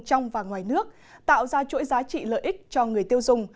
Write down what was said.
trong và ngoài nước tạo ra chuỗi giá trị lợi ích cho người tiêu dùng